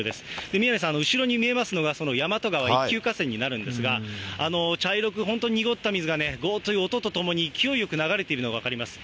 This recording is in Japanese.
宮根さん、後ろに見えますのがそのやまと川、一級河川になるんですが、茶色く本当、濁った水がね、ごーっという音とともに勢いよく流れているのが分かります。